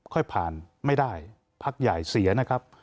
ค่อยผ่านไม่ได้พักใหญ่เสียนะครับ